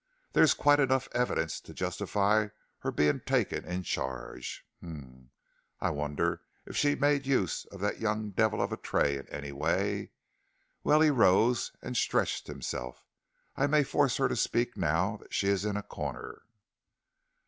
There's quite enough evidence to justify her being taken in charge. Hum! I wonder if she made use of that young devil of a Tray in any way? Well," he rose and stretched himself, "I may force her to speak now that she is in a corner."